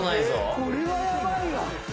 これはうまいわ。